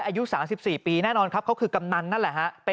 ปี๖๓ก็ไปปี๖๒ก็ไปไม่เคยขาดไม่เคยเว้นทุกปี